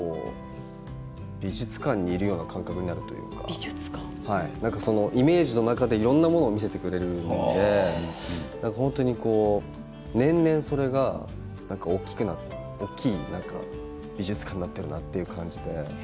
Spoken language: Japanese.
美術館にいるような感覚になってくるというか何かイメージの中でいろんなものを見せてくれるんで本当に年々それが大きくなって大きい何か美術館になっているなという感じで。